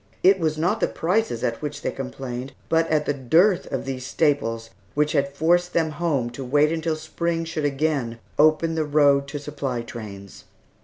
It was not the prices at which they complained, but at the dearth of these staples, which had forced them home to wait until spring should again open the road to supply trains.